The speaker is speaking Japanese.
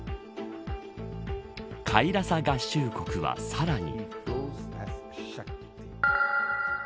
カイラサ合衆国は、さらに。